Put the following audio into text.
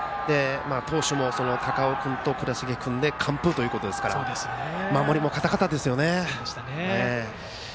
投手も高尾君と倉重君で完封ということですから守りも堅かったですね。